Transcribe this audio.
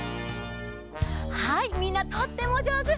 はいみんなとってもじょうず！